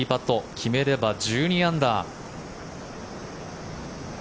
決めれば１２アンダー。